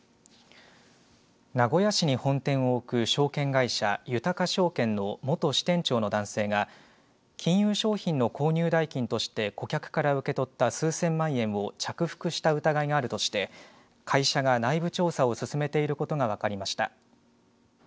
名古屋市に本店を置く証券会社豊証券の元支店長の男性が金融商品の購入代金として顧客から受け取った数千万円を着服した疑いがあるとして会社が内部調査を進めていることが分かりました。